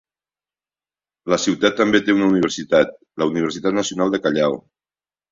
La ciutat també té una universitat, la Universitat Nacional de Callao.